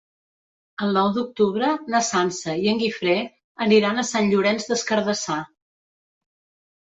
El nou d'octubre na Sança i en Guifré aniran a Sant Llorenç des Cardassar.